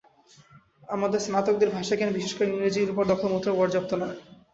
আমাদের স্নাতকদের ভাষাজ্ঞান, বিশেষ করে ইংরেজির ওপর দখল মোটেও পর্যাপ্ত নয়।